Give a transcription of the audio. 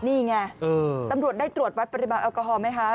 นี่ไงตำรวจได้ตรวจวัดปริมาณแอลกอฮอลไหมคะ